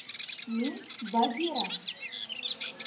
— Мин — Багира!